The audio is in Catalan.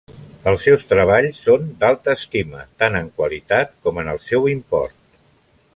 Els seus treballs són d'alta estima, tant en qualitat com en el seu import.